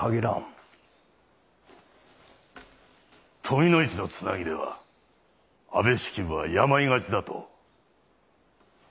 富の市のつなぎでは安部式部は病がちだと。